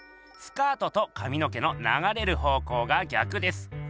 スカートとかみの毛のながれる方向が逆です。